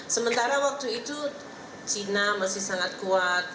sementara waktu itu china masih sangat kuat